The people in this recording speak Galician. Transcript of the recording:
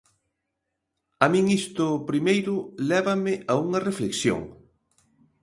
A min isto, primeiro, lévame a unha reflexión.